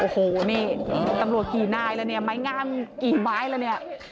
โอ้โหนี่ตำรวจกี่นายแล้วเนี่ยไม้งามกี่ไม้แล้วเนี่ย